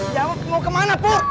jawab kamu kemana bur